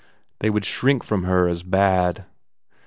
They would shrink from her as bad.